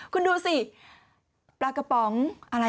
คุณดูสิปลากระป๋องอะไร